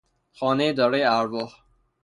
خانهی دارای ارواح